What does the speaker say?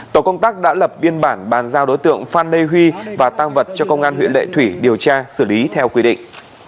tổ công tác đã lập biên bản bàn giao đối tượng phan lê huy và tăng vật cho công an huyện lệ thủy điều tra xử lý theo quy định